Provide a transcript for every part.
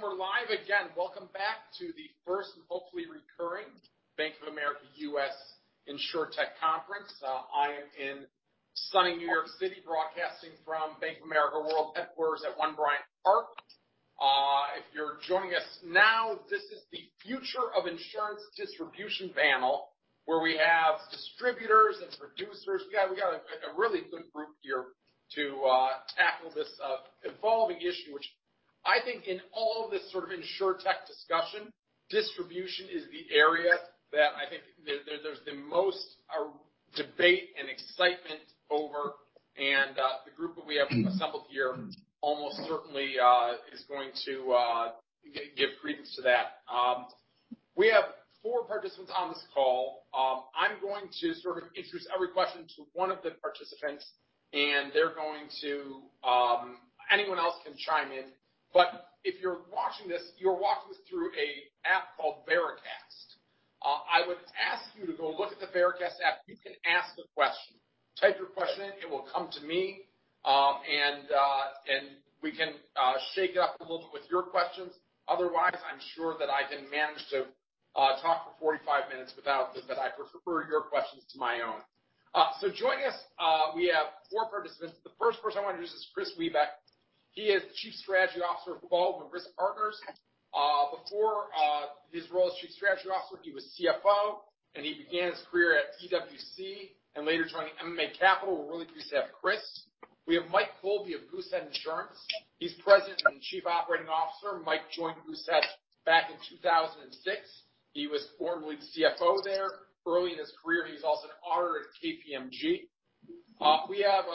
We're live again. Welcome back to the first, and hopefully recurring, Bank of America U.S. InsurTech Conference. I am in sunny New York City, broadcasting from Bank of America world headquarters at One Bryant Park. If you're joining us now, this is the Future of Insurance Distribution panel, where we have distributors and producers. We got a really good group here to tackle this evolving issue, which I think in all of this InsurTech discussion, distribution is the area that I think there's the most debate and excitement over. The group that we have assembled here almost certainly is going to give credence to that. We have four participants on this call. I'm going to introduce every question to one of the participants, and anyone else can chime in. If you're watching this, you're watching this through an app called Vericast. I would ask you to go look at the Vericast app. You can ask a question. Type your question in, it will come to me, and we can shake it up a little bit with your questions. Otherwise, I'm sure that I can manage to talk for 45 minutes without. I prefer your questions to my own. Joining us, we have four participants. The first person I want to introduce is Chris Wiebeck. He is the Chief Strategy Officer of Baldwin Risk Partners LLC. Before his role as Chief Strategy Officer, he was CFO, and he began his career at PwC and later joining MMA Capital Holdings, Inc. We're really pleased to have Chris. We have Mike Colby of Goosehead Insurance. He's President and Chief Operating Officer. Mike joined Goosehead back in 2006. He was formerly the CFO there. Early in his career, he was also an auditor at KPMG. We have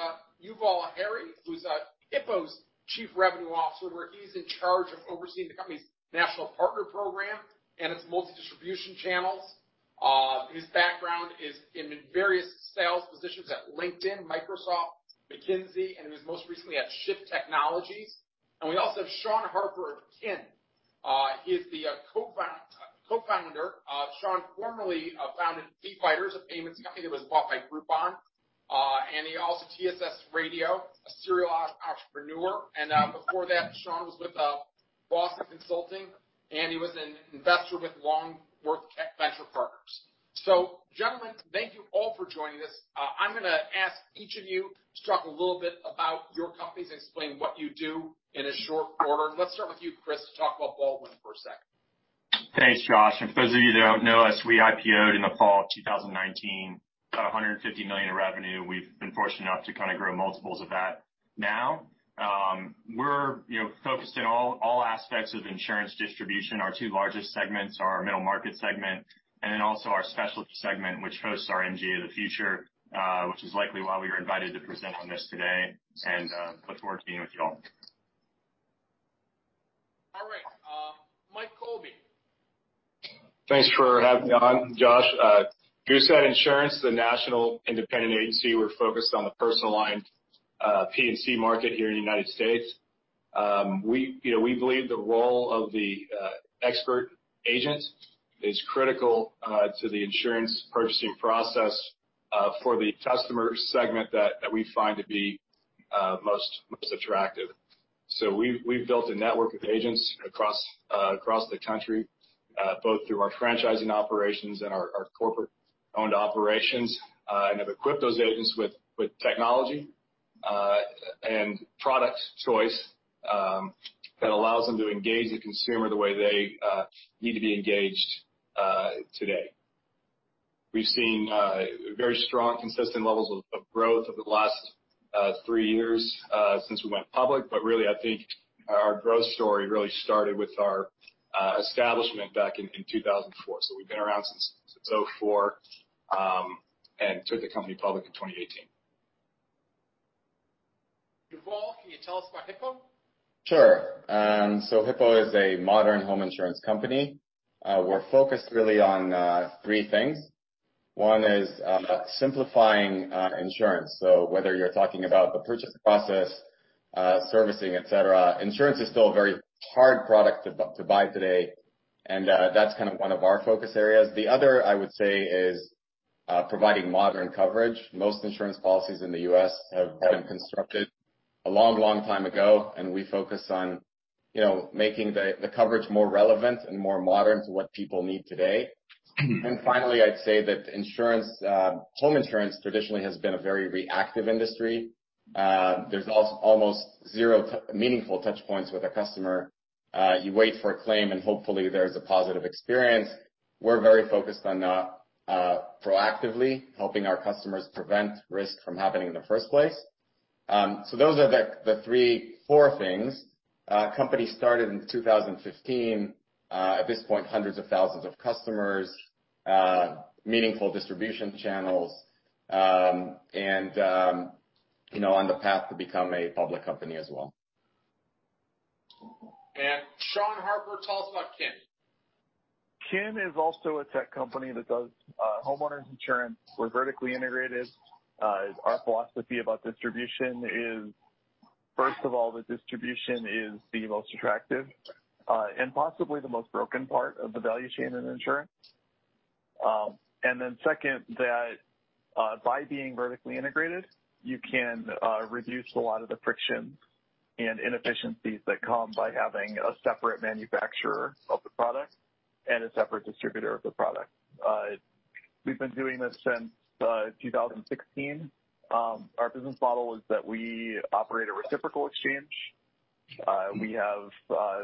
Yuval Harry, who's Hippo's Chief Revenue Officer, where he's in charge of overseeing the company's national partner program and its multi-distribution channels. His background is in various sales positions at LinkedIn, Microsoft, McKinsey & Company, and he was most recently at Shift Technologies. We also have Sean Harper of Kin. He is the Co-Founder. Sean formerly founded FeeFighters, a payments company that was bought by Groupon, and he also TSS-Radio, a serial entrepreneur. Before that, Sean was with Boston Consulting Group, and he was an investor with Longworth Venture Partners. Gentlemen, thank you all for joining us. I'm going to ask each of you to talk a little bit about your companies, explain what you do in a short order. Let's start with you, Chris, to talk about Baldwin for a sec. Thanks, Josh. For those of you that don't know us, we IPO'd in the fall of 2019, about $150 million in revenue. We've been fortunate enough to kind of grow multiples of that now. We're focused in all aspects of insurance distribution. Our two largest segments are our middle market segment and then also our specialist segment, which hosts our MGA of the future, which is likely why we were invited to present on this today, and look forward to being with you all. All right. Michael Colby. Thanks for having me on, Josh. Goosehead Insurance is a national independent agency. We're focused on the personal line, P&C market here in the U.S. We believe the role of the expert agent is critical to the insurance purchasing process for the customer segment that we find to be most attractive. We've built a network of agents across the country, both through our franchising operations and our corporate-owned operations, and have equipped those agents with technology and product choice that allows them to engage the consumer the way they need to be engaged today. We've seen very strong, consistent levels of growth over the last three years since we went public. Really, I think our growth story really started with our establishment back in 2004. We've been around since 2004, and took the company public in 2018. Yuval, can you tell us about Hippo? Sure. Hippo is a modern home insurance company. We're focused really on three things. One is simplifying insurance. Whether you're talking about the purchase process, servicing, et cetera, insurance is still a very hard product to buy today, and that's one of our focus areas. The other, I would say, is providing modern coverage. Most insurance policies in the U.S. have been constructed a long time ago, and we focus on making the coverage more relevant and more modern to what people need today. Finally, I'd say that home insurance traditionally has been a very reactive industry. There's almost zero meaningful touch points with a customer. You wait for a claim and hopefully there's a positive experience. We're very focused on proactively helping our customers prevent risk from happening in the first place. Those are the four things. Company started in 2015. At this point, hundreds of thousands of customers, meaningful distribution channels, and on the path to become a public company as well. Sean Harper, tell us about Kin. Kin is also a tech company that does homeowners insurance. We're vertically integrated. Our philosophy about distribution is, first of all, that distribution is the most attractive, and possibly the most broken part of the value chain in insurance. Then second, that by being vertically integrated, you can reduce a lot of the friction and inefficiencies that come by having a separate manufacturer of the product and a separate distributor of the product. We've been doing this since 2016. Our business model is that we operate a reciprocal exchange. We have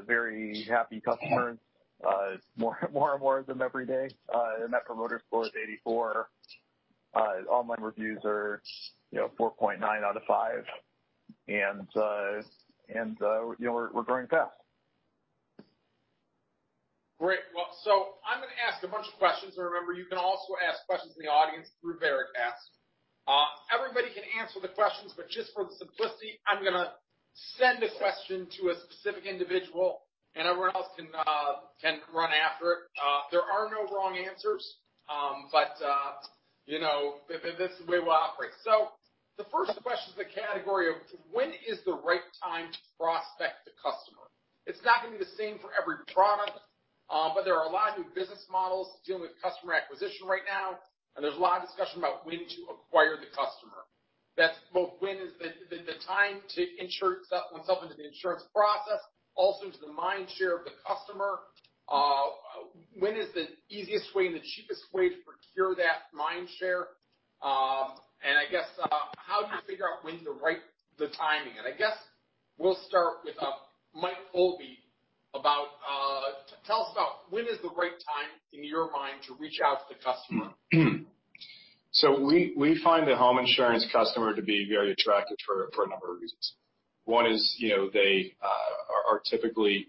very happy customers, more and more of them every day. The Net Promoter Score is 84. Online reviews are 4.9 out of five, and we're growing fast. Great. Well, I'm going to ask a bunch of questions, and remember, you can also ask questions in the audience through Vericast. Everybody can answer the questions, but just for the simplicity, I'm going to send a question to a specific individual, and everyone else can run after it. There are no wrong answers, but this is the way we'll operate. The first question is the category of when is the right time to prospect the customer? It's not going to be the same for every product, but there are a lot of new business models dealing with customer acquisition right now, and there's a lot of discussion about when to acquire the customer. That's both when is the time to insure oneself into the insurance process, also into the mind share of the customer. When is the easiest way and the cheapest way to procure that mind share? I guess, how do you figure out when's the right timing? I guess we'll start with Michael Colby about, tell us about when is the right time, in your mind, to reach out to the customer? We find the home insurance customer to be very attractive for a number of reasons. One is, they typically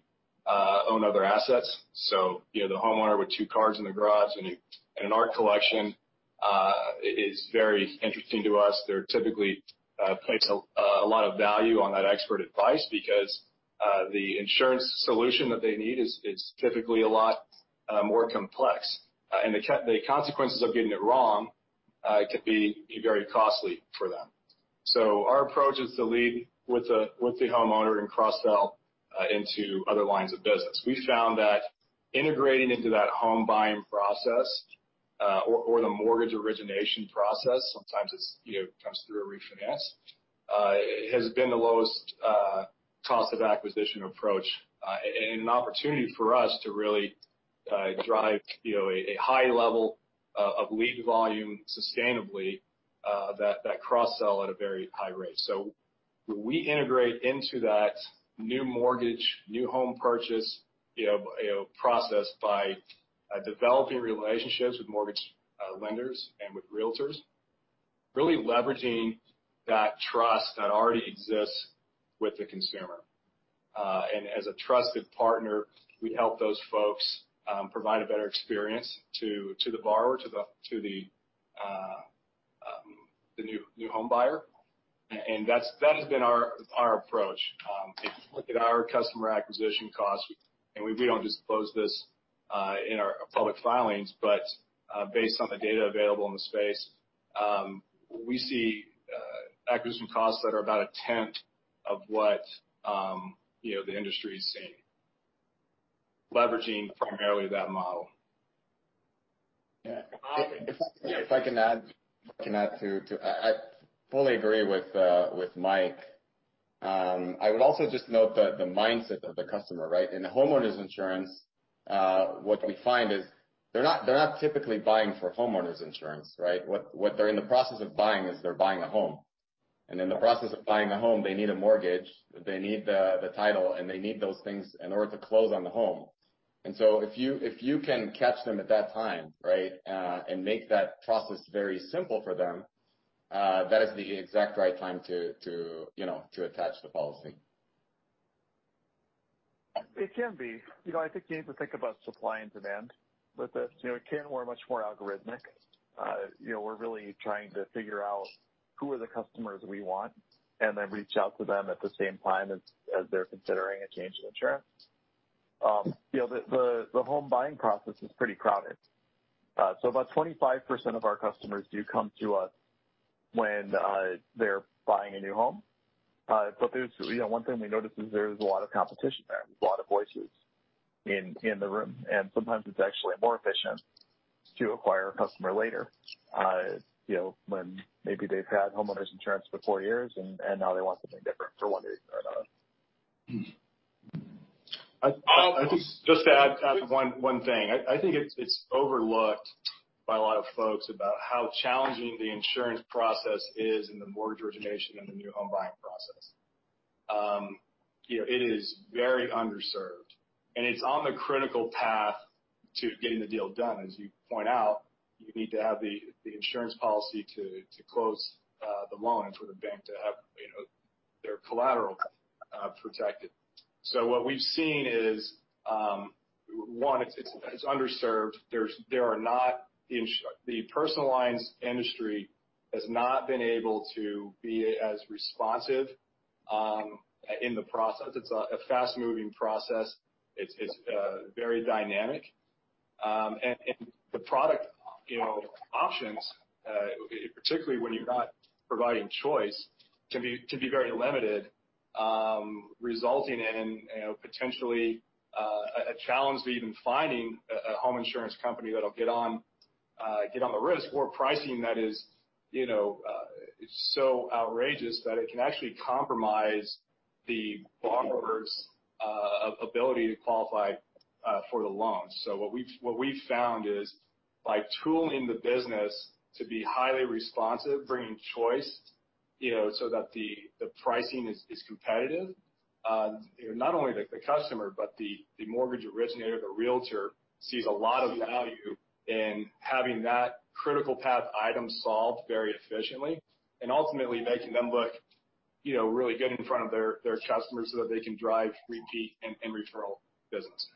own other assets. The homeowner with two cars in the garage and an art collection is very interesting to us. They typically place a lot of value on that expert advice because, the insurance solution that they need is typically a lot more complex. The consequences of getting it wrong could be very costly for them. Our approach is to lead with the homeowner and cross-sell into other lines of business. We found that integrating into that home buying process or the mortgage origination process, sometimes it comes through a refinance, has been the lowest cost of acquisition approach, and an opportunity for us to really drive a high level of lead volume sustainably, that cross-sell at a very high rate. We integrate into that new mortgage, new home purchase process by developing relationships with mortgage lenders and with realtors, really leveraging that trust that already exists with the consumer. As a trusted partner, we help those folks provide a better experience to the borrower, to the new home buyer. That has been our approach. If you look at our customer acquisition costs, we don't disclose this in our public filings, but based on the data available in the space, we see acquisition costs that are about a tenth of what the industry's seeing, leveraging primarily that model. Yeah. If I can add to I fully agree with Mike. I would also just note the mindset of the customer, right? In homeowners insurance, what we find is they're not typically buying for homeowners insurance, right? What they're in the process of buying is, they're buying a home. In the process of buying a home, they need a mortgage, they need the title, and they need those things in order to close on the home. If you can catch them at that time, right, and make that process very simple for them, that is the exact right time to attach the policy. It can be. I think you need to think about supply and demand with this. At Kin, we're much more algorithmic. We're really trying to figure out who are the customers we want, then reach out to them at the same time as they're considering a change of insurance. The home buying process is pretty crowded. About 25% of our customers do come to us when they're buying a new home. One thing we notice is there's a lot of competition there, a lot of voices in the room. Sometimes it's actually more efficient to acquire a customer later, when maybe they've had homeowners insurance for four years, and now they want something different for one reason or another. Just to add one thing. I think it's overlooked by a lot of folks about how challenging the insurance process is in the mortgage origination and the new home buying process. It is very underserved, and it's on the critical path to getting the deal done. As you point out, you need to have the insurance policy to close the loans for the bank to have their collateral protected. What we've seen is, one, it's underserved. The personal lines industry has not been able to be as responsive in the process. It's a fast-moving process. It's very dynamic. The product options, particularly when you're not providing choice, can be very limited resulting in potentially a challenge to even finding a home insurance company that'll get on the risk or pricing that is so outrageous that it can actually compromise the borrower's ability to qualify for the loan. What we've found is by tooling the business to be highly responsive, bringing choice so that the pricing is competitive, not only the customer but the mortgage originator, the realtor sees a lot of value in having that critical path item solved very efficiently and ultimately making them look really good in front of their customers so that they can drive repeat and referral business.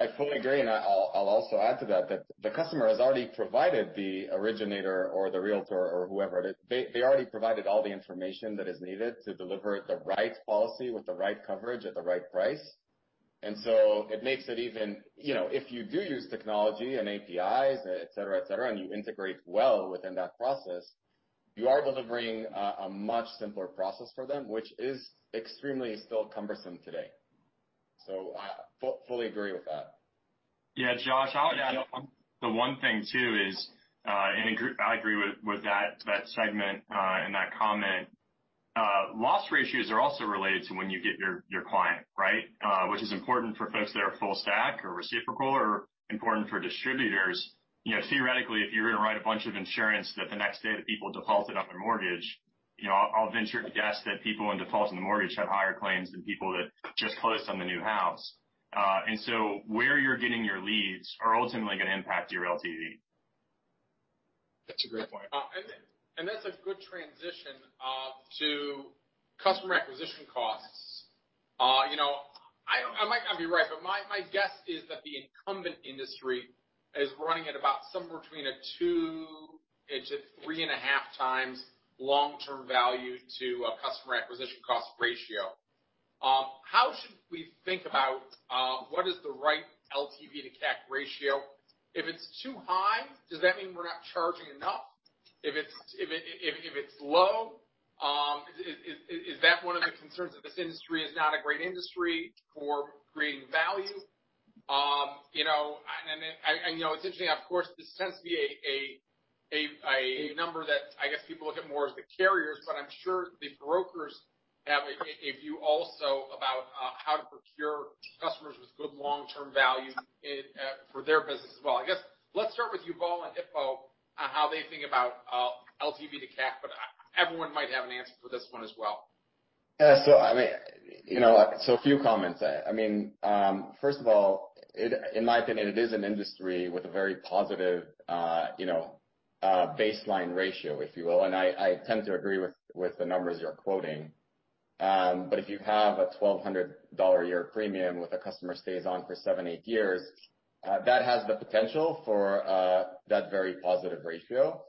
I fully agree, I'll also add to that the customer has already provided the originator or the realtor or whoever it is. They already provided all the information that is needed to deliver the right policy with the right coverage at the right price. It makes it even, if you do use technology and APIs, et cetera, and you integrate well within that process, you are delivering a much simpler process for them, which is extremely still cumbersome today. I fully agree with that. Josh, I'll add on. The one thing too is, I agree with that segment and that comment. Loss ratios are also related to when you get your client, right? Which is important for folks that are full stack or reciprocal or important for distributors. Theoretically, if you're going to write a bunch of insurance that the next day the people defaulted on their mortgage, I'll venture to guess that people in default on the mortgage have higher claims than people that just closed on the new house. Where you're getting your leads are ultimately going to impact your LTV. That's a great point. That's a good transition to customer acquisition costs. I might not be right, but my guess is that the incumbent industry is running at about somewhere between a two to three and a half times long-term value to a customer acquisition cost ratio. How should we think about what is the right LTV to CAC ratio? If it's too high, does that mean we're not charging enough? If it's low, is that one of the concerns that this industry is not a great industry for creating value? It's interesting, of course, this tends to be a number that I guess people look at more as the carriers, but I'm sure the brokers have a view also about how to procure customers with good long-term value for their business as well. I guess let's start with Yuval and Hippo on how they think about LTV to CAC, but everyone might have an answer for this one as well. A few comments. First of all, in my opinion, it is an industry with a very positive baseline ratio, if you will. I tend to agree with the numbers you're quoting. If you have a $1,200 a year premium with a customer stays on for seven, eight years, that has the potential for that very positive ratio.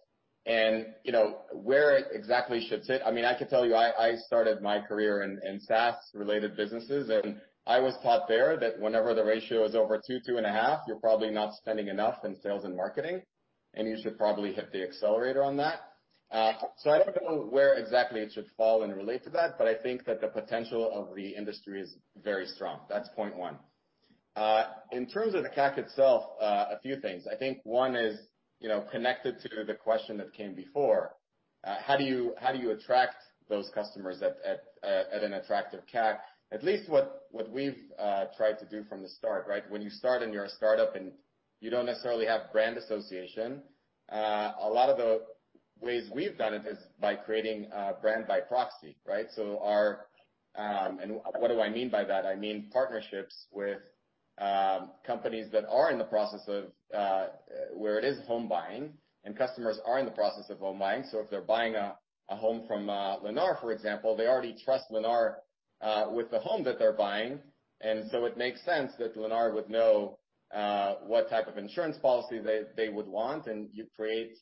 Where it exactly should sit, I could tell you, I started my career in SaaS-related businesses, and I was taught there that whenever the ratio is over two and a half, you're probably not spending enough in sales and marketing, and you should probably hit the accelerator on that. I don't know where exactly it should fall in relate to that, but I think that the potential of the industry is very strong. That's point one. In terms of the CAC itself, a few things. I think one is connected to the question that came before. How do you attract those customers at an attractive CAC? At least what we've tried to do from the start, right? When you start and you're a startup and you don't necessarily have brand association, a lot of the ways we've done it is by creating a brand by proxy, right? What do I mean by that? I mean partnerships with companies that are in the process of where it is home buying and customers are in the process of home buying. If they're buying a home from Lennar, for example, they already trust Lennar with the home that they're buying, it makes sense that Lennar would know what type of insurance policy they would want and you create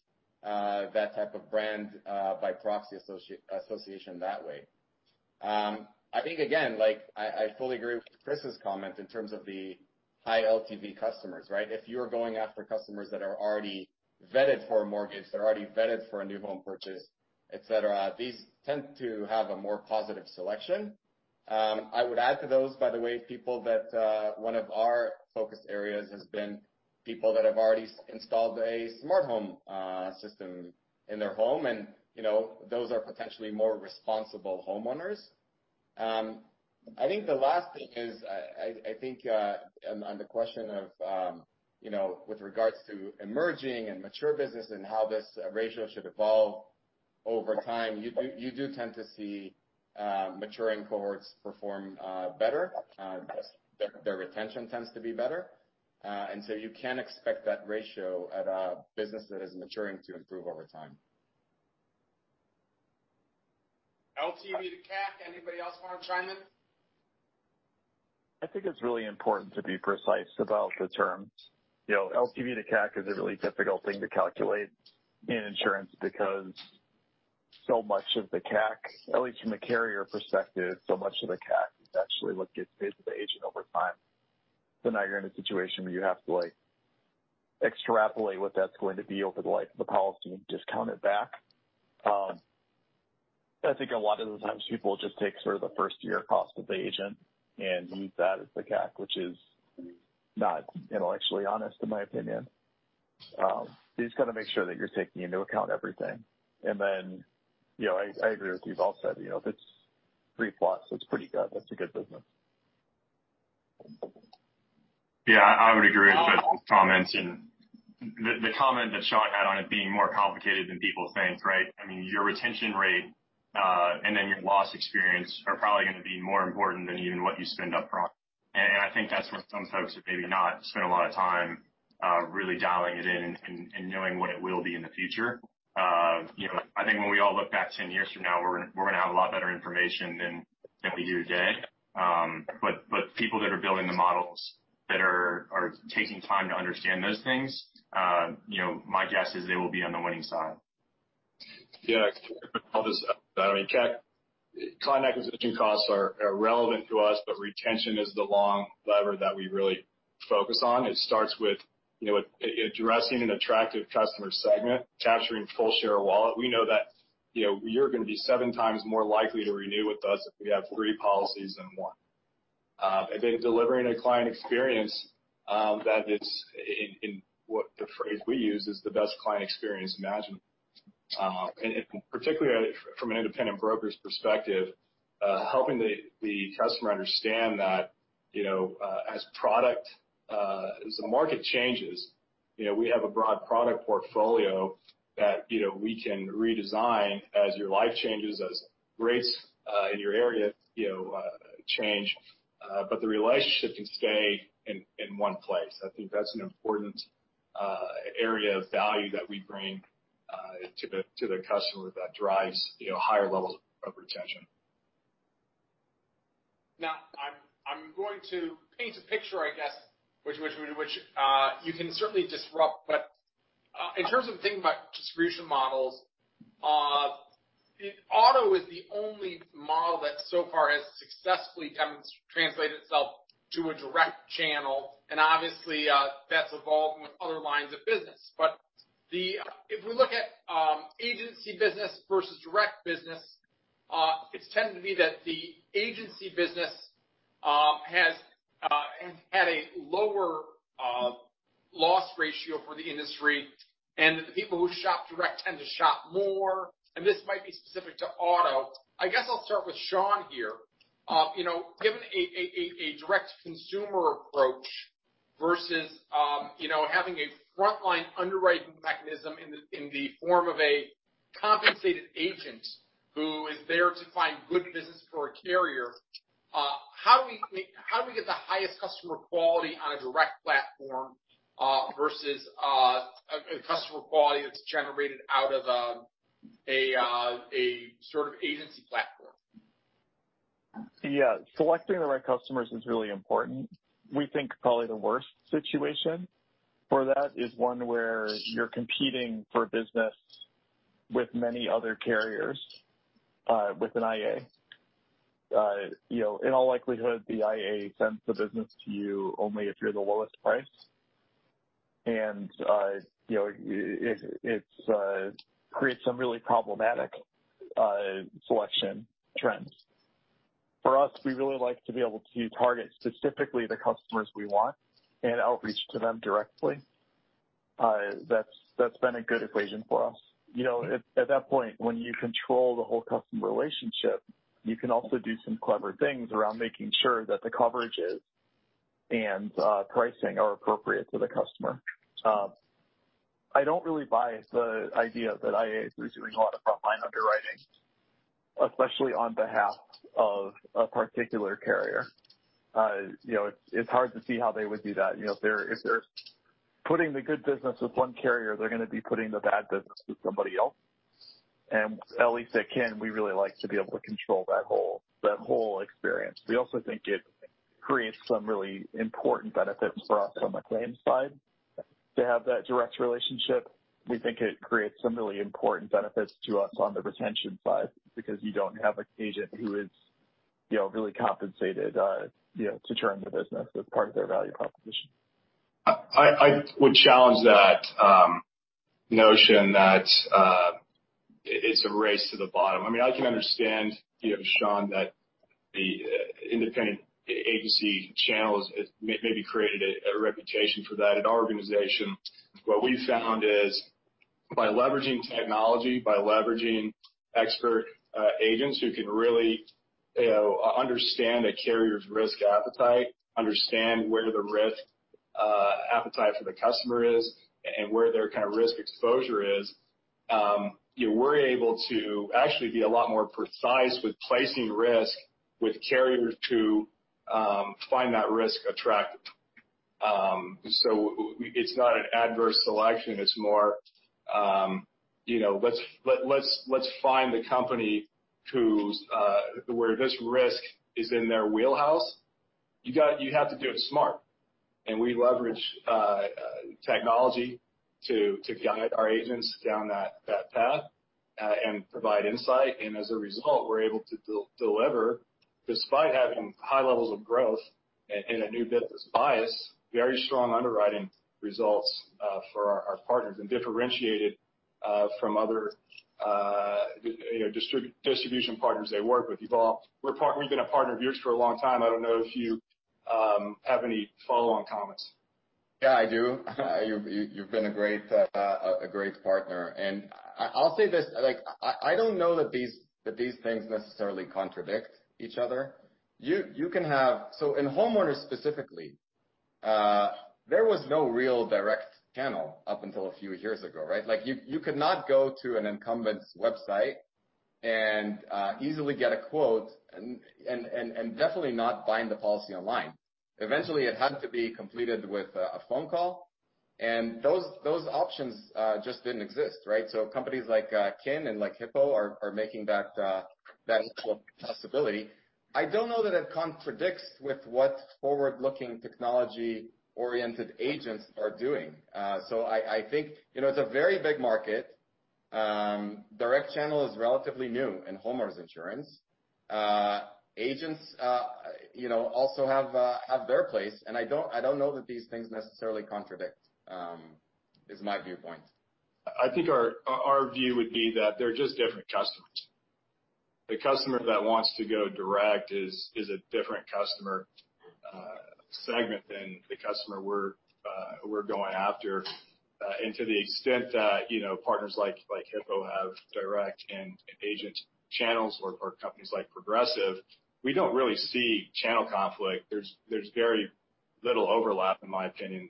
that type of brand by proxy association that way. I think again, I fully agree with Chris's comment in terms of the high LTV customers, right? If you are going after customers that are already vetted for a mortgage, they're already vetted for a new home purchase, et cetera, these tend to have a more positive selection. I would add to those, by the way, people that one of our focus areas has been people that have already installed a smart home system in their home, and those are potentially more responsible homeowners. I think the last thing is, I think on the question of with regards to emerging and mature business and how this ratio should evolve over time, you do tend to see maturing cohorts perform better. Their retention tends to be better. You can expect that ratio at a business that is maturing to improve over time. LTV to CAC, anybody else want to chime in? I think it's really important to be precise about the terms. LTV to CAC is a really difficult thing to calculate in insurance because so much of the CAC, at least from a carrier perspective, so much of the CAC is actually what gets paid to the agent over time. Now you're in a situation where you have to Extrapolate what that's going to be over the life of the policy and discount it back. I think a lot of the times people just take sort of the first-year cost of the agent and use that as the CAC, which is not intellectually honest, in my opinion. You just got to make sure that you're taking into account everything. I agree with what Yuval said. If it's 3+, that's pretty good. That's a good business. Yeah, I would agree with both comments and the comment that Sean had on it being more complicated than people think, right? Your retention rate, your loss experience are probably going to be more important than even what you spend upfront. I think that's where some folks have maybe not spent a lot of time really dialing it in and knowing what it will be in the future. I think when we all look back 10 years from now, we're going to have a lot better information than we do today. People that are building the models that are taking time to understand those things, my guess is they will be on the winning side. Yeah, I'll just add that. Client acquisition costs are relevant to us, retention is the long lever that we really focus on. It starts with addressing an attractive customer segment, capturing full share of wallet. We know that you're going to be 7 times more likely to renew with us if we have three policies than one. Delivering a client experience that is, in what the phrase we use, is the best client experience imaginable. Particularly from an independent broker's perspective, helping the customer understand that as the market changes, we have a broad product portfolio that we can redesign as your life changes, as rates in your area change. The relationship can stay in one place. I think that's an important area of value that we bring to the customer that drives higher levels of retention. I'm going to paint a picture, I guess, which you can certainly disrupt, in terms of thinking about distribution models, Auto is the only model that so far has successfully translated itself to a direct channel, and obviously, that's evolving with other lines of business. If we look at agency business versus direct business, it's tended to be that the agency business has had a lower loss ratio for the industry and that the people who shop direct tend to shop more, and this might be specific to Auto. I guess I'll start with Sean here. Given a direct-to-consumer approach versus having a frontline underwriting mechanism in the form of a compensated agent who is there to find good business for a carrier, how do we get the highest customer quality on a direct platform versus a customer quality that's generated out of a sort of agency platform? Yeah. Selecting the right customers is really important. We think probably the worst situation for that is one where you're competing for business with many other carriers with an IA. In all likelihood, the IA sends the business to you only if you're the lowest price. It creates some really problematic selection trends. For us, we really like to be able to target specifically the customers we want and outreach to them directly. That's been a good equation for us. At that point, when you control the whole customer relationship, you can also do some clever things around making sure that the coverages and pricing are appropriate to the customer. I don't really buy the idea that IAs are doing a lot of frontline underwriting, especially on behalf of a particular carrier. It's hard to see how they would do that. If they're putting the good business with one carrier, they're going to be putting the bad business with somebody else. At Kin, we really like to be able to control that whole experience. We also think it creates some really important benefits for us on the claims side to have that direct relationship. We think it creates some really important benefits to us on the retention side because you don't have an agent who is really compensated to churn the business as part of their value proposition. I would challenge that notion that it's a race to the bottom. I can understand, Sean, that the independent agency channels maybe created a reputation for that. At our organization, what we've found is by leveraging technology, by leveraging expert agents who can really understand a carrier's risk appetite, understand where the risk appetite for the customer is, and where their risk exposure is, we're able to actually be a lot more precise with placing risk with carriers who find that risk attractive. It's not an adverse selection. It's more let's find the company where this risk is in their wheelhouse. You have to do it smart, and we leverage technology to guide our agents down that path. Provide insight. As a result, we're able to deliver, despite having high levels of growth and a new business bias, very strong underwriting results for our partners and differentiated from other distribution partners they work with. Yuval, we've been a partner of yours for a long time. I don't know if you have any follow-on comments. Yeah, I do. You've been a great partner. I'll say this, I don't know that these things necessarily contradict each other. In homeowners specifically, there was no real direct channel up until a few years ago, right? You could not go to an incumbent's website and easily get a quote and definitely not bind the policy online. Eventually, it had to be completed with a phone call, and those options just didn't exist, right? Companies like Kin and like Hippo are making that into a possibility. I don't know that it contradicts with what forward-looking technology-oriented agents are doing. I think it's a very big market. Direct channel is relatively new in homeowners insurance. Agents also have their place, and I don't know that these things necessarily contradict, is my viewpoint. I think our view would be that they're just different customers. The customer that wants to go direct is a different customer segment than the customer we're going after. To the extent that partners like Hippo have direct and agent channels or companies like Progressive, we don't really see channel conflict. There's very little overlap in my opinion,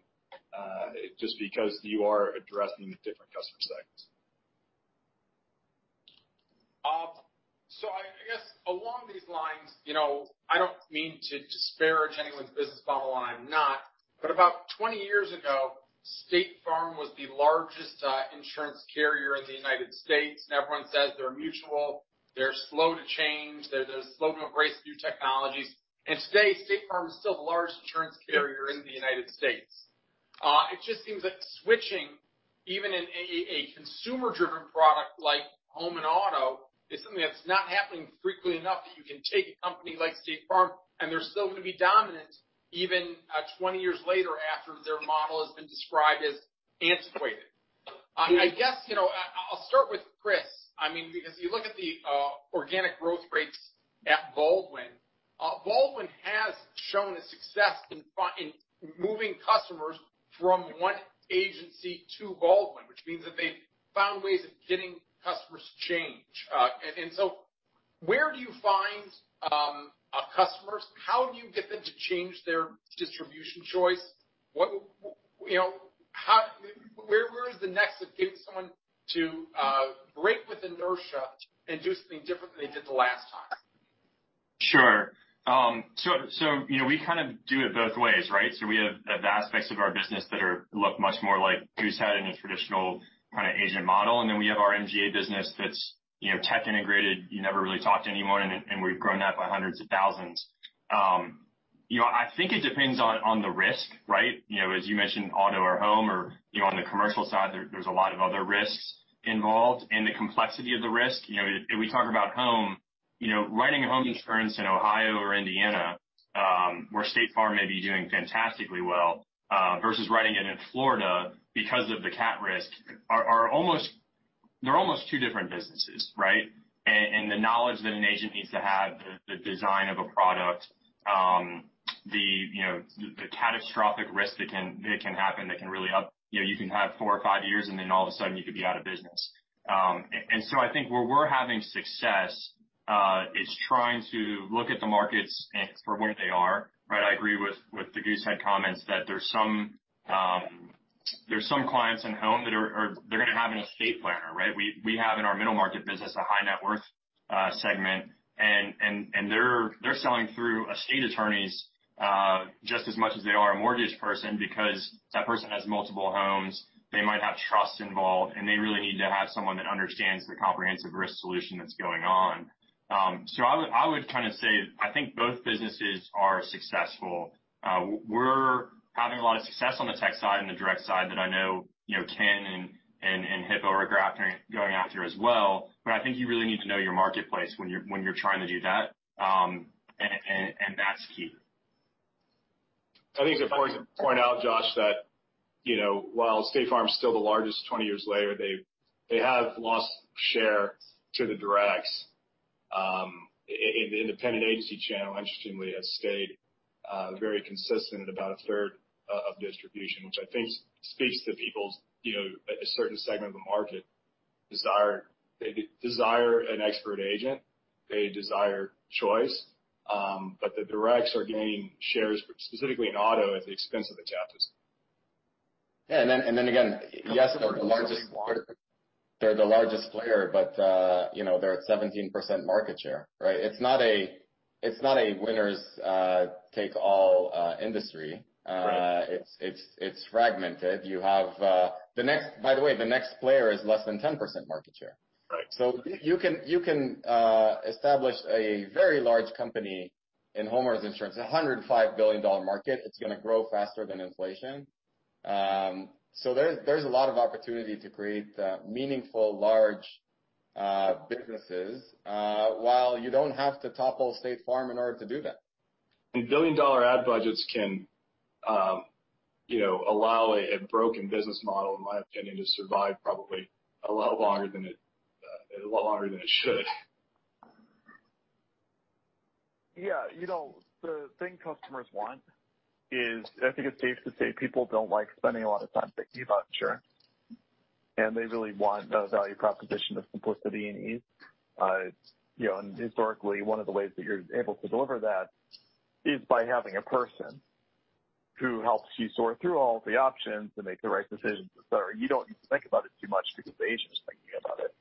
just because you are addressing the different customer segments. I guess along these lines, I don't mean to disparage anyone's business model, I'm not. About 20 years ago, State Farm was the largest insurance carrier in the U.S., everyone says they're mutual, they're slow to change, they're slow to embrace new technologies. Today, State Farm is still the largest insurance carrier in the U.S. It just seems like switching, even in a consumer-driven product like home and auto, is something that's not happening frequently enough that you can take a company like State Farm and they're still going to be dominant even 20 years later after their model has been described as antiquated. I'll start with Chris, because you look at the organic growth rates at Baldwin. Baldwin has shown a success in moving customers from one agency to Baldwin, which means that they've found ways of getting customers to change. Where do you find customers? How do you get them to change their distribution choice? Where is the nexus getting someone to break with inertia and do something different than they did the last time? Sure. We kind of do it both ways, right? We have aspects of our business that look much more like Goosehead in a traditional kind of agent model. We have our MGA business that's tech integrated. You never really talk to anyone, we've grown that by hundreds of thousands. It depends on the risk, right? As you mentioned, auto or home or on the commercial side, there's a lot of other risks involved and the complexity of the risk. If we talk about home, writing a home insurance in Ohio or Indiana, where State Farm may be doing fantastically well, versus writing it in Florida because of the cat risk, they're almost two different businesses, right? The knowledge that an agent needs to have, the design of a product, the catastrophic risk that can happen that can really. You can have four or five years and all of a sudden you could be out of business. Where we're having success, is trying to look at the markets for where they are, right? I agree with the Goosehead comments that there's some clients in home that are going to have an estate planner, right? We have in our middle market business a high net worth segment, they're selling through estate attorneys, just as much as they are a mortgage person because that person has multiple homes. They might have trust involved, and they really need to have someone that understands the comprehensive risk solution that's going on. I would say both businesses are successful. We're having a lot of success on the tech side and the direct side that I know Kin and Hippo are going after as well. I think you really need to know your marketplace when you're trying to do that. That's key. I think it's important to point out, Josh, that while State Farm is still the largest 20 years later, they have lost share to the directs. The independent agency channel, interestingly, has stayed very consistent at about a third of distribution, which I think speaks to people's, a certain segment of the market desire. They desire an expert agent. They desire choice. The directs are gaining shares, specifically in auto, at the expense of the captives. Yeah, again, yes, they're the largest player, but they're at 17% market share, right? It's not a winner takes all industry. Right. It's fragmented. By the way, the next player is less than 10% market share. Right. You can establish a very large company in homeowners insurance, a $105 billion market. It's going to grow faster than inflation. There's a lot of opportunity to create meaningful large businesses while you don't have to topple State Farm in order to do that. Billion-dollar ad budgets can allow a broken business model, in my opinion, to survive probably a lot longer than it should. Yeah. The thing customers want is, I think it's safe to say people don't like spending a lot of time picking out insurance, and they really want a value proposition of simplicity and ease. Historically, one of the ways that you're able to deliver that is by having a person who helps you sort through all of the options to make the right decisions, et cetera. You don't need to think about it too much because the agent's thinking about it.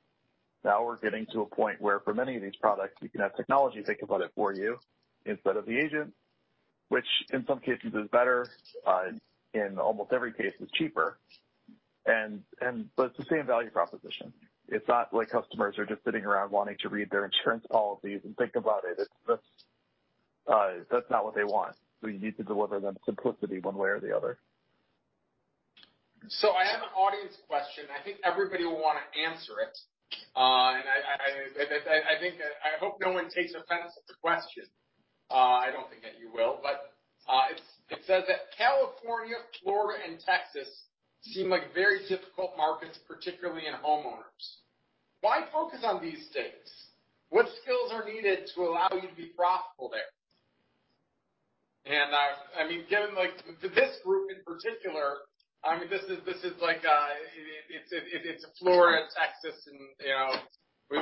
Now we're getting to a point where for many of these products, you can have technology think about it for you instead of the agent, which in some cases is better, in almost every case is cheaper. It's the same value proposition. It's not like customers are just sitting around wanting to read their insurance policies and think about it. That's not what they want. You need to deliver them simplicity one way or the other. I have an audience question. I think everybody will want to answer it. I hope no one takes offense at the question. I don't think that you will. It says that California, Florida, and Texas seem like very difficult markets, particularly in homeowners. Why focus on these states? What skills are needed to allow you to be profitable there? To this group in particular, it's Florida, it's Texas, and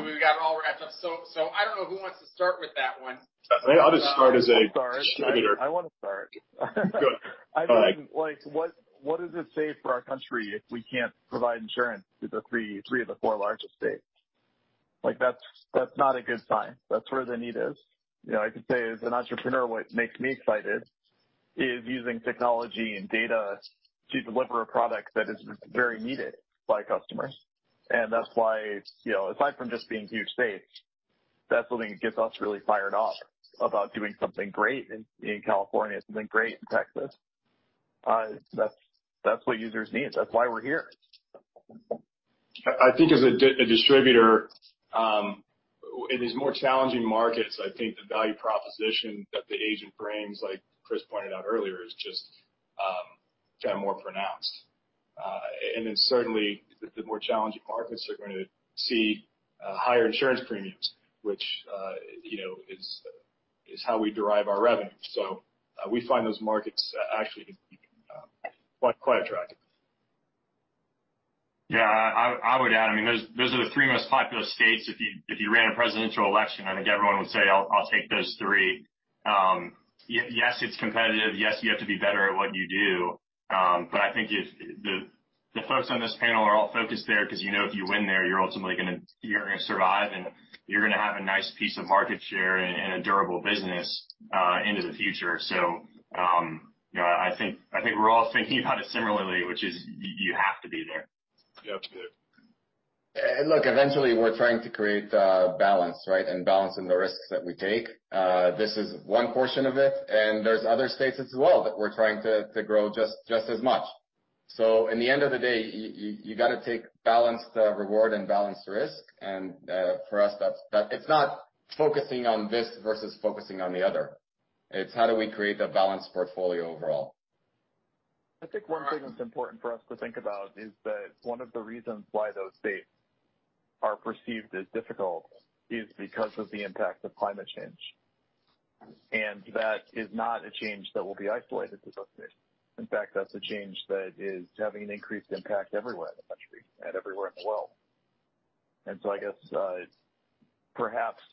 we've got all our hands up. I don't know who wants to start with that one. I'll just start as a distributor. I'm sorry. I want to start. Good. What does it say for our country if we can't provide insurance to the three of the four largest states? That's not a good sign. That's where the need is. I can say as an entrepreneur, what makes me excited is using technology and data to deliver a product that is very needed by customers. That's why, aside from just being huge states, that's something that gets us really fired up about doing something great in California, something great in Texas. That's what users need. That's why we're here. As a distributor, in these more challenging markets, I think the value proposition that the agent brings, like Chris pointed out earlier, is just more pronounced. Certainly the more challenging markets are going to see higher insurance premiums, which is how we derive our revenue. We find those markets actually can be quite attractive. Yeah, I would add, those are the three most populous states. If you ran a presidential election, I think everyone would say, "I'll take those three." Yes, it's competitive. Yes, you have to be better at what you do. I think the folks on this panel are all focused there because you know if you win there, you're ultimately going to survive, and you're going to have a nice piece of market share and a durable business into the future. I think we're all thinking about it similarly, which is you have to be there. Look, eventually we're trying to create a balance, right? Balancing the risks that we take. This is one portion of it, and there's other states as well that we're trying to grow just as much. In the end of the day, you got to take balanced reward and balanced risk, and for us, it's not focusing on this versus focusing on the other. It's how do we create a balanced portfolio overall. I think one thing that's important for us to think about is that one of the reasons why those states are perceived as difficult is because of the impact of climate change. That is not a change that will be isolated to those states. In fact, that's a change that is having an increased impact everywhere in the country and everywhere in the world. I guess perhaps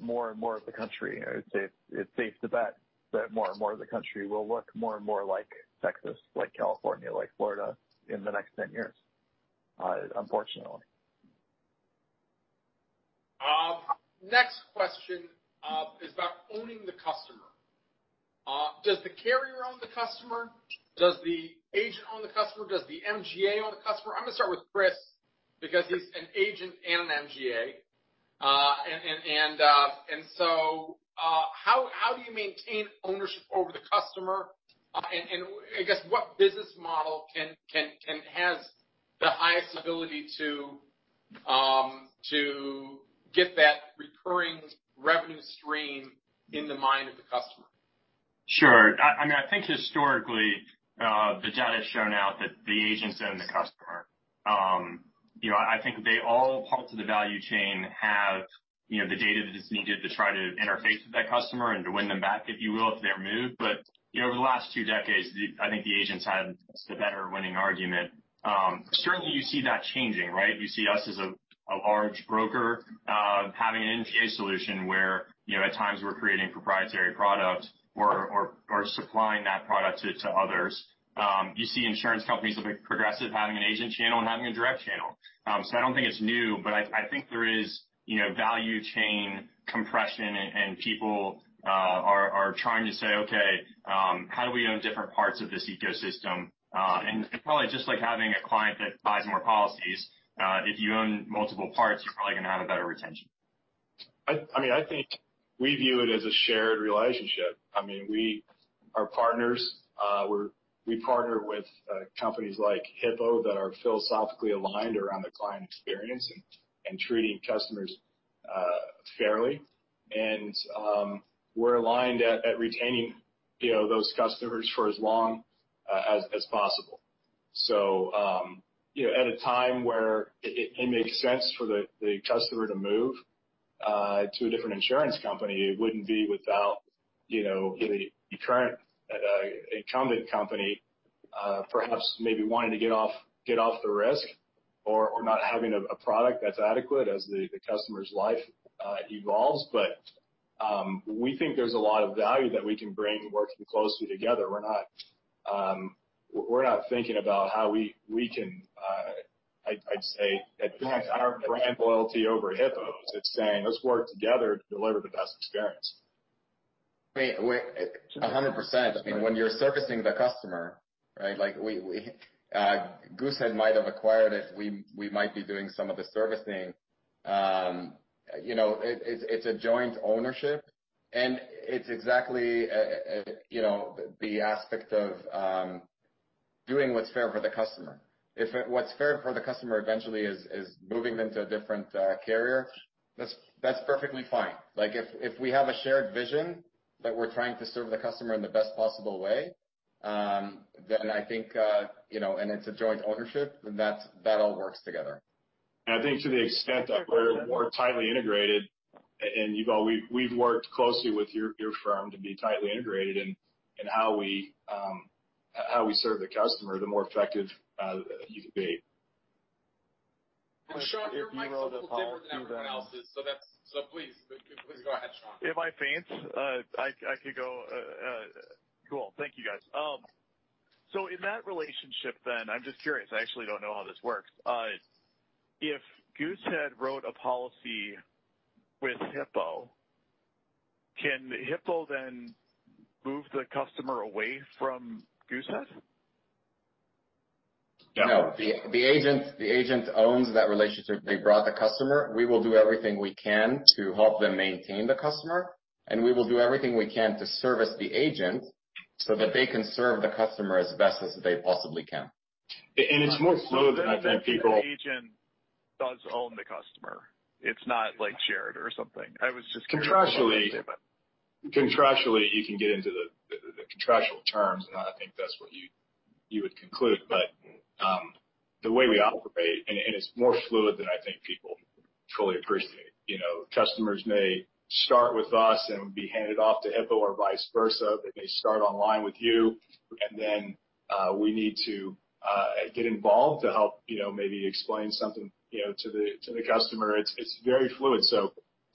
more and more of the country, it's safe to bet that more and more of the country will look more and more like Texas, like California, like Florida in the next 10 years, unfortunately. Next question is about owning the customer. Does the carrier own the customer? Does the agent own the customer? Does the MGA own the customer? I'm going to start with Chris because he's an agent and an MGA. How do you maintain ownership over the customer? What business model has the highest ability to get that recurring revenue stream in the mind of the customer? Sure. I think historically, the data has shown out that the agents own the customer. I think they all, parts of the value chain have the data that is needed to try to interface with that customer and to win them back, if you will, if they're moved. Over the last two decades, I think the agents had the better winning argument. Certainly, you see that changing, right? You see us as a large broker having an MGA solution where at times we're creating proprietary product or supplying that product to others. You see insurance companies like Progressive having an agent channel and having a direct channel. I don't think it's new, I think there is value chain compression and people are trying to say, "Okay, how do we own different parts of this ecosystem?" Probably just like having a client that buys more policies, if you own multiple parts, you're probably going to have a better retention. I think we view it as a shared relationship. We are partners. We partner with companies like Hippo that are philosophically aligned around the client experience and treating customers fairly. We're aligned at retaining those customers for as long as possible. At a time where it makes sense for the customer to move to a different insurance company, it wouldn't be without the current incumbent company perhaps maybe wanting to get off the risk or not having a product that's adequate as the customer's life evolves. We think there's a lot of value that we can bring working closely together. We're not thinking about how we can, I'd say, advance our brand loyalty over Hippo's. It's saying, "Let's work together to deliver the best experience. 100%. When you're servicing the customer, right? Goosehead might have acquired it. We might be doing some of the servicing. It's a joint ownership, it's exactly the aspect of doing what's fair for the customer. If what's fair for the customer eventually is moving them to a different carrier, that's perfectly fine. If we have a shared vision that we're trying to serve the customer in the best possible way, then I think, and it's a joint ownership, then that all works together. I think to the extent that we're more tightly integrated, and Yuval, we've worked closely with your firm to be tightly integrated in how we serve the customer, the more effective you can be. Sean, your mic's a little different than everyone else's, so please go ahead, Sean. Am I faint? I could go. Cool. Thank you, guys. In that relationship then, I'm just curious, I actually don't know how this works. If Goosehead wrote a policy with Hippo, can Hippo then move the customer away from Goosehead? No. The agent owns that relationship. They brought the customer. We will do everything we can to help them maintain the customer, and we will do everything we can to service the agent so that they can serve the customer as best as they possibly can. It's more so than I think people- The agent does own the customer. It's not shared or something. I was just curious. Contractually, you can get into the contractual terms, and I think that's what you would conclude. The way we operate, and it's more fluid than I think people truly appreciate. Customers may start with us and be handed off to Hippo or vice versa. They may start online with you, and then we need to get involved to help maybe explain something to the customer. It's very fluid.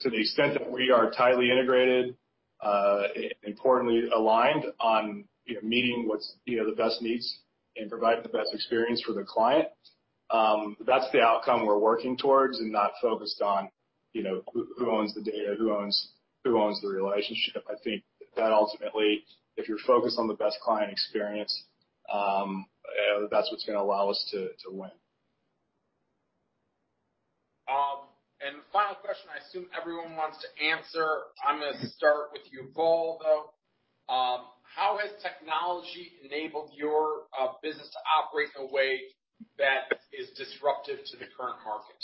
To the extent that we are tightly integrated, importantly aligned on meeting what's the best needs and providing the best experience for the client, that's the outcome we're working towards and not focused on who owns the data, who owns the relationship. I think that ultimately, if you're focused on the best client experience, that's what's going to allow us to win. Final question I assume everyone wants to answer. I'm going to start with Yuval, though. How has technology enabled your business to operate in a way that is disruptive to the current market?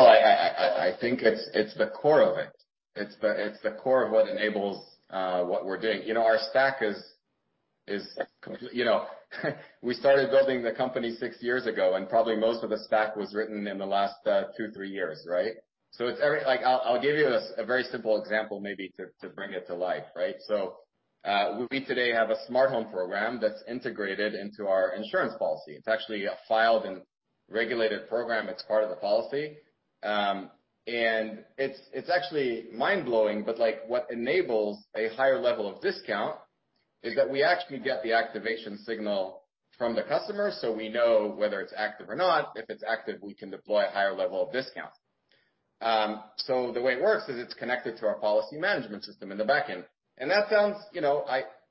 Well, I think it's the core of it. It's the core of what enables what we're doing. Our stack is complete. We started building the company six years ago, and probably most of the stack was written in the last two, three years, right? I'll give you a very simple example, maybe to bring it to life. We today have a smart home program that's integrated into our insurance policy. It's actually a filed and regulated program. It's part of the policy. It's actually mind-blowing, but what enables a higher level of discount is that we actually get the activation signal from the customer, so we know whether it's active or not. If it's active, we can deploy a higher level of discount. The way it works is it's connected to our policy management system in the backend.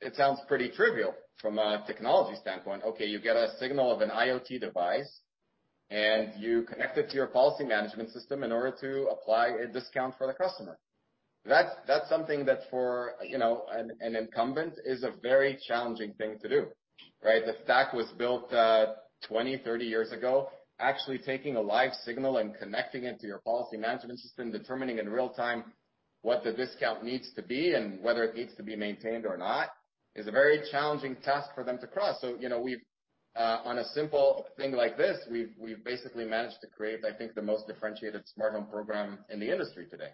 It sounds pretty trivial from a technology standpoint. Okay, you get a signal of an IoT device, and you connect it to your policy management system in order to apply a discount for the customer. That's something that for an incumbent is a very challenging thing to do, right? The stack was built 20, 30 years ago. Actually taking a live signal and connecting it to your policy management system, determining in real time what the discount needs to be and whether it needs to be maintained or not is a very challenging task for them to cross. On a simple thing like this, we've basically managed to create, I think, the most differentiated smart home program in the industry today.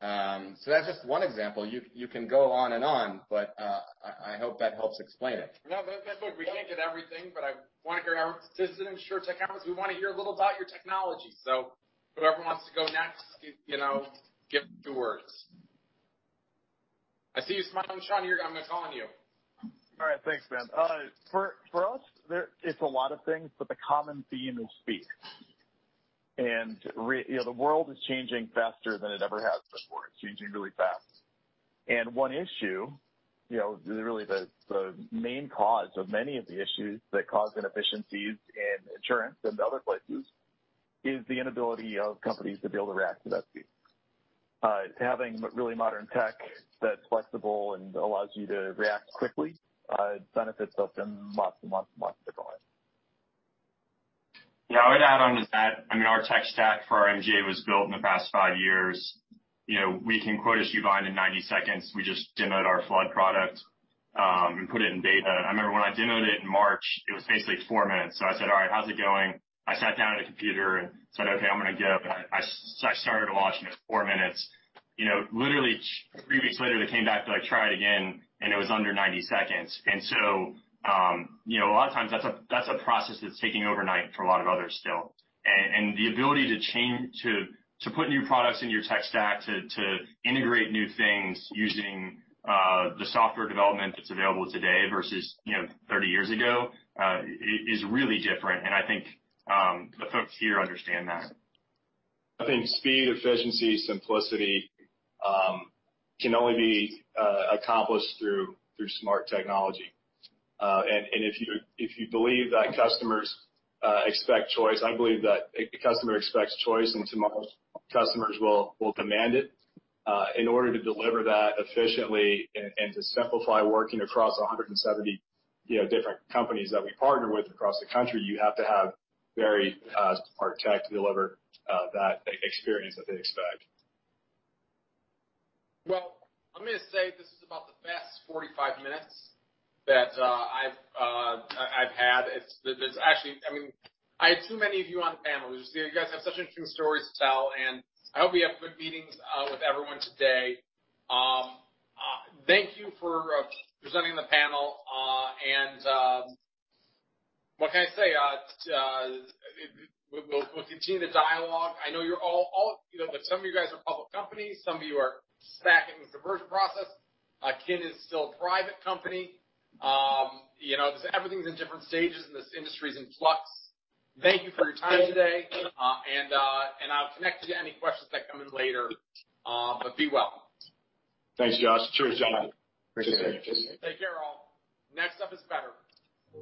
That's just one example. You can go on and on, but I hope that helps explain it. No, that's good. We can't get everything, but I want to hear our This is InsurTech accountancy. We want to hear a little about your technology. Whoever wants to go next, give a few words. I see you smiling, Sean. I'm going to call on you. All right. Thanks, man. For us, it's a lot of things, but the common theme is speed. The world is changing faster than it ever has before. It's changing really fast. One issue, really the main cause of many of the issues that cause inefficiencies in insurance and other places, is the inability of companies to be able to react to that speed. Having really modern tech that's flexible and allows you to react quickly benefits us in lots and lots and lots of different ways. Yeah. I would add on to that, our tech stack for MGA was built in the past five years. We can quote a [UVine] in 90 seconds. We just demoed our flood product, and put it in beta. I remember when I demoed it in March, it was basically four minutes. I said, "All right. How's it going?" I sat down at a computer and said, "Okay, I'm going to give it." I started watching. It was four minutes. Literally three weeks later, they came back. They're like, "Try it again," and it was under 90 seconds. A lot of times that's a process that's taking overnight for a lot of others still. The ability to put new products in your tech stack, to integrate new things using the software development that's available today versus 30 years ago, is really different. I think the folks here understand that. I think speed, efficiency, simplicity can only be accomplished through smart technology. If you believe that customers expect choice, I believe that a customer expects choice, and tomorrow's customers will demand it. In order to deliver that efficiently and to simplify working across 170 different companies that we partner with across the country, you have to have very smart tech to deliver that experience that they expect. Well, I'm going to say this is about the best 45 minutes that I've had. I had too many of you on the panel. You guys have such interesting stories to tell, and I hope you have good meetings with everyone today. Thank you for presenting the panel. What can I say? We'll continue the dialogue. I know some of you guys are public companies, some of you are smack in the conversion process. Kin is still a private company. Everything's in different stages, and this industry's in flux. Thank you for your time today, and I'll connect you to any questions that come in later. Be well. Thanks, Josh. Cheers, Sean. Appreciate you. Cheers. Take care, all. Next up is better.